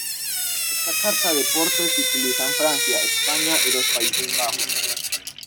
Esta carta de porte se utiliza en Francia, España y los Países Bajos.